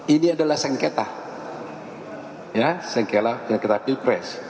ini adalah sengketa ya sengkela sengketa pilpres